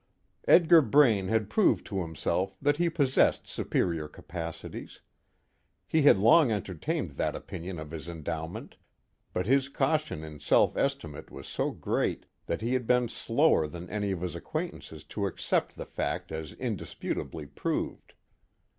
Edgar Braine had proved to himself that he possessed superior capacities. He had long entertained that opinion of his endowment, but his caution in self estimate was so great that he had been slower than any of his acquaintances to accept the fact as indisputably proved.